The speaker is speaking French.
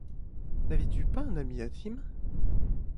N'avais-tu pas un ami intime?